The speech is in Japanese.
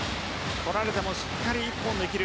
取られてもしっかり１本で切る。